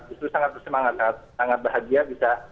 justru sangat bersemangat sangat bahagia bisa